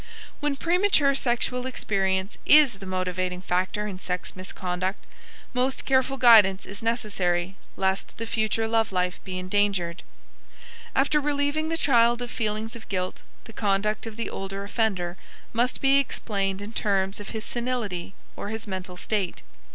When premature sexual experience is the motivating factor in sex misconduct, most careful guidance is necessary, lest the future love life be endangered. After relieving the child of feelings of guilt, the conduct of the older offender must be explained in terms of his senility or his mental state.